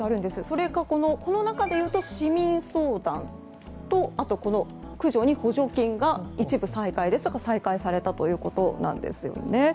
それがこの中でいうと市民相談と駆除に補助金が一部再開されたということなんですよね。